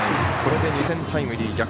これで２点タイムリー。